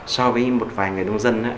so với một vài người nông dân